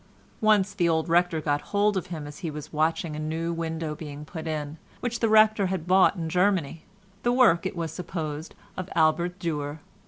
Once the old rector got hold of him as he was watching a new window being put in, which the rector had bought in Germany—the work, it was supposed, of Albert Dürer.